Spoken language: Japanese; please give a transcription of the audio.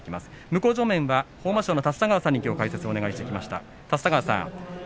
向正面は豊真将の立田川さんに解説をお願いしてきました。